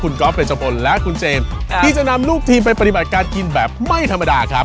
คุณก๊อฟเดชพลและคุณเจมส์ที่จะนำลูกทีมไปปฏิบัติการกินแบบไม่ธรรมดาครับ